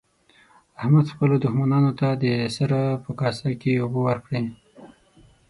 احمد خپلو دوښمنانو ته د سره په کاسه کې اوبه ورکړې.